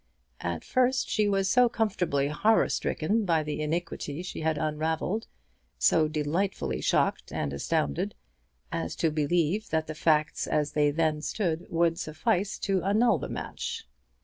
At first she was so comfortably horror stricken by the iniquity she had unravelled, so delightfully shocked and astounded, as to believe that the facts as they then stood would suffice to annul the match.